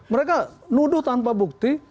mereka nuduh tanpa bukti